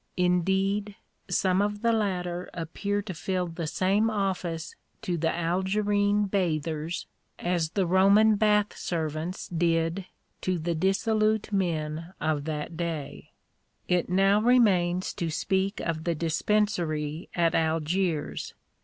Indeed, some of the latter appear to fill the same office to the Algerine bathers as the Roman bath servants did to the dissolute men of that day. It now remains to speak of the Dispensary at Algiers.